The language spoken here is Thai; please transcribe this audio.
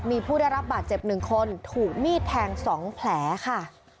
มีผู้ได้รับบาดเจ็บ๑คนถูกมีดแทง๒แผลค่ะ